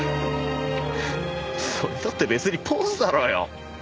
それだって別にポーズだろうよ。